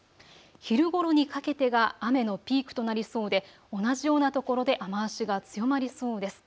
昼ごろにかけてが雨のピークとなりそうで、同じようなところで雨足が強まりそうです。